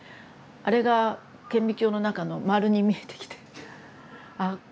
あれが顕微鏡の中の丸に見えてきてあ